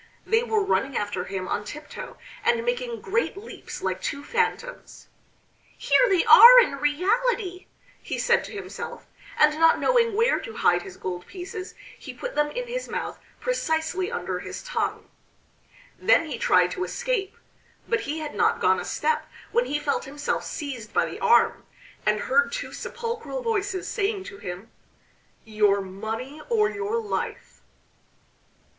They were running after him on tiptoe, and making great leaps like two phantoms. "Here they are in reality!" he said to himself, and not knowing where to hide his gold pieces he put them in his mouth precisely under his tongue. Then he tried to escape. But he had not gone a step when he felt himself seized by the arm, and heard two sepulchral voices saying to him: "Your money or your life!"